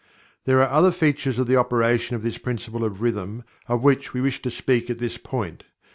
There are other features of the operation of this Principle of Rhythm of which we wish to speak at this point.